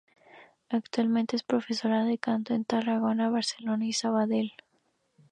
Actualmente es profesora de canto en Tarragona, Barcelona y Sabadell.